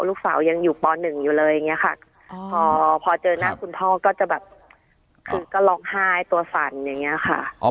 ลูกสาวยังอยู่ป๑อยู่เลยอย่างนี้ค่ะพอเจอหน้าคุณพ่อก็จะแบบคือก็ร้องไห้ตัวสั่นอย่างนี้ค่ะ